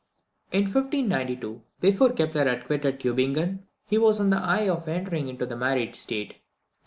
In 1592, before Kepler had quitted Tubingen, he was on the eve of entering into the married state.